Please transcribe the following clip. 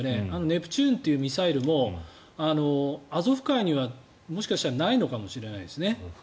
ネプチューンというミサイルもアゾフ海には、もしかしたらないのかもしれないですね。